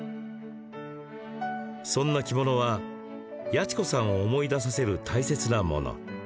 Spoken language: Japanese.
そんな着物は八千子さんを思い出させる大切なもの。